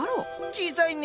小さいね。